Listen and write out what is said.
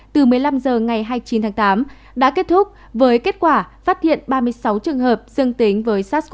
từ một mươi năm h ngày hai mươi chín tháng tám đã kết thúc với kết quả phát hiện ba mươi sáu trường hợp dương tính với sars cov hai